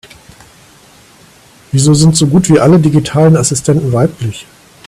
Wieso sind so gut wie alle digitalen Assistenten weiblich?